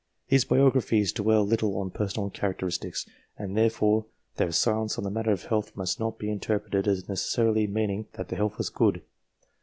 These biographies dwell little on personal characteristics, and therefore their silence on the matter of health must not be interpreted as neces sarily meaning that the health was good.